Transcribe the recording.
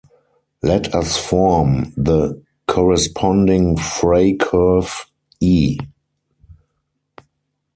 Let us form the corresponding Frey curve "E".